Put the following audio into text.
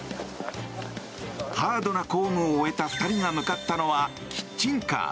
ハードな公務を終えた２人が向かったのは、キッチンカー。